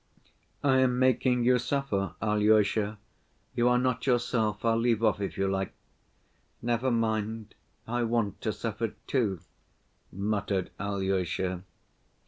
I am making you suffer, Alyosha, you are not yourself. I'll leave off if you like." "Never mind. I want to suffer too," muttered Alyosha.